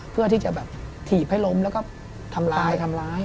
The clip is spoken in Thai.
เพื่อที่จะแบบถีบให้ล้มแล้วก็ทำร้ายทำร้าย